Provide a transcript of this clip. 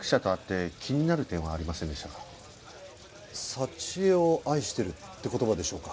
「佐知恵を愛してる」って言葉でしょうか。